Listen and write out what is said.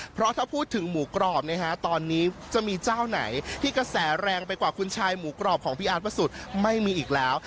เพราะถ้าพูดถึงหมูกรอบนะฮะตอนนี้จะมีเจ้าไหนที่กระแสแรงไปกว่าคุณชายหมูกรอบของพี่อาร์ตพระสุทธิ์ไม่มีอีกแล้ว